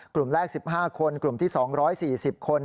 กลุ่มแรก๑๕คนกลุ่มที่๒๔๐คน